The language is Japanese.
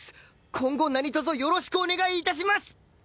今後何とぞよろしくお願い致します！